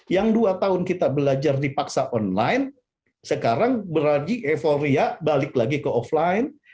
yang dua tahun kita belajar dipaksa online sekarang beraji euforia balik lagi ke offline